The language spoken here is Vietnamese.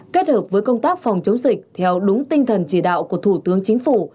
kết hợp với công tác phòng chống dịch theo đúng tinh thần chỉ đạo của thủ tướng chính phủ